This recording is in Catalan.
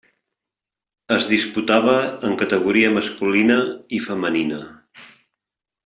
Es disputava en categoria masculina i femenina.